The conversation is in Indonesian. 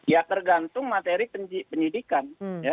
ya tergantung materi pendidikan